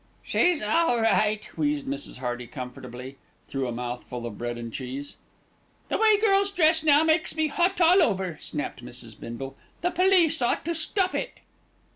"She's all right," wheezed Mrs. Hearty comfortably, through a mouthful of bread and cheese. "The way girls dress now makes me hot all over," snapped Mrs. Bindle. "The police ought to stop it."